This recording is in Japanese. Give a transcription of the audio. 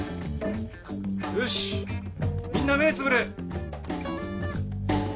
よしみんな目をつぶれ！